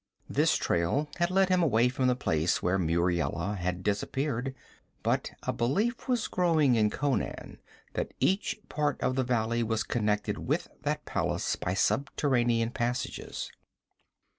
This trail had led him away from the place where Muriela had disappeared, but a belief was growing in Conan that each part of the valley was connected with that palace by subterranean passages.